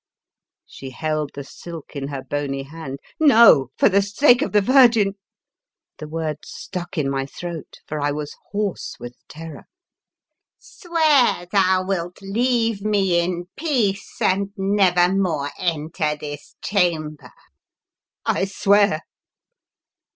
She held the silk in her bony hand. " No! for the sake of the Virgin —" The words stuck in my throat for I was hoarse with terror. " Swear thou wilt leave me in peace, and never more enter this chamber!" " I swear!"